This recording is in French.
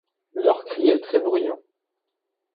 Leur cri est très bruyant.